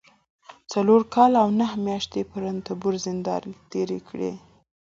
څلور کاله او نهه مياشتې په رنتنبور زندان کې تېرې کړي